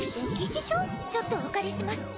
ちょっとお借りします。